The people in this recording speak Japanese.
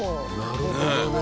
なるほどね。